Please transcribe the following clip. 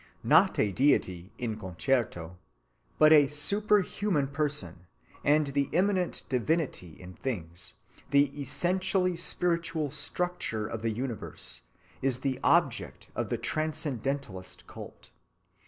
Not a deity in concreto, not a superhuman person, but the immanent divinity in things, the essentially spiritual structure of the universe, is the object of the transcendentalist cult.